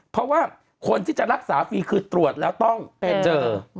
เพราะว่าคนที่จะรักษาฟรีคือตรวจแล้วต้องไปเจอ